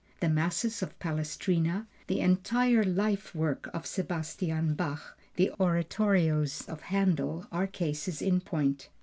The Masses of Palestrina, the entire life work of Sebastian Bach, the oratorios of Händel, are cases in point.